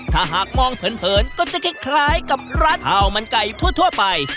ถ้าหากมองเผินก็จะคล้ายกับร้านข้าวมันไก่ทั่วไป